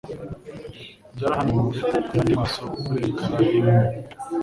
Byarahanuwe ku yandi maso kuri ecran imwe;